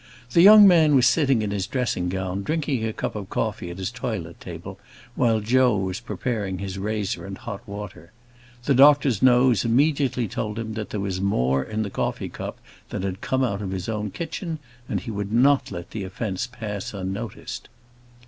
The young man was sitting in his dressing gown, drinking a cup of coffee at his toilet table, while Joe was preparing his razor and hot water. The doctor's nose immediately told him that there was more in the coffee cup than had come out of his own kitchen, and he would not let the offence pass unnoticed.